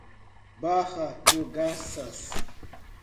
Barra do Garças